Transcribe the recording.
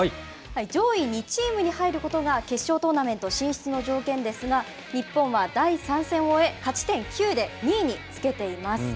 上位２チームに入ることが、決勝トーナメント進出の条件ですが、日本は第３戦を終え、勝ち点９で２位につけています。